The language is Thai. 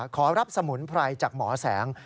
ขอรับสมุนไพรจากหมอแสง